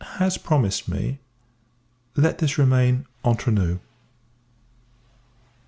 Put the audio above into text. has promised me. Let this remain entre nous.